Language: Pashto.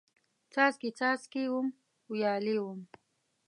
څاڅکي، څاڅکي وم، ویالې وم